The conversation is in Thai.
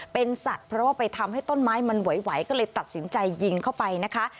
เป็นสัตว์เพราะว่าไปทำให้ต้นไม้มันไหวก็เลยตัดสินใจยิงเข้าไปนะคะ